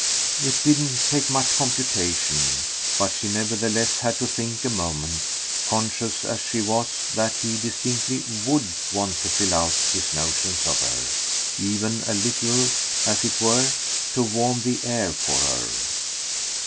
It didn't take much computation, but she nevertheless had to think a moment, conscious as she was that he distinctly WOULD want to fill out his notion of her even a little, as it were, to warm the air for her.